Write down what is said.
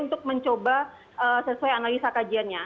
untuk mencoba sesuai analisa kajiannya